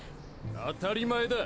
当たり前だ。